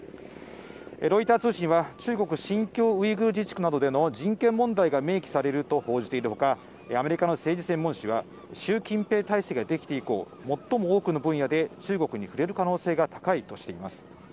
ロイター通信は、中国・新疆ウイグル自治区などでの人権問題が明記されると報じているほか、アメリカの政治専門紙は、習近平体制が出来て以降、最も多くの分野で中国に触れる可能性が高いとしています。